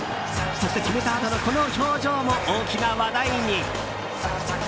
そして決めたあとのこの表情も大きな話題に。